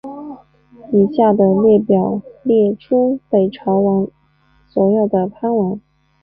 以下的列表列出北朝所有的藩王。